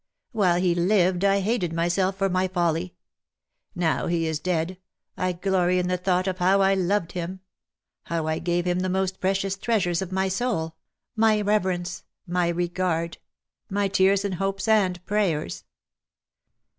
While he lived I hated myself for my folly ; now he is dead, I glory in the thought of how I loved him — how I gave him the most precious treasures of my soul — my reverence — my regard — my tears and hopes and prayers.